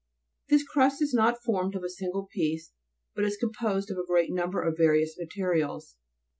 9. This crust is not formed of a single piece, but is composed of a great number of various materials.